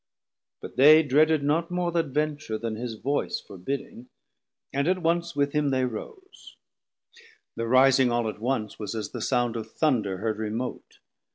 But they Dreaded not more th' adventure then his voice Forbidding; and at once with him they rose; Thir rising all at once was as the sound Of Thunder heard remote.